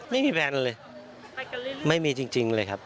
ไม่มีแบรนด์เลยไม่มีจริงเลยครับ